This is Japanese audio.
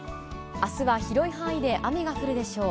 あすは広い範囲で雨が降るでしょう。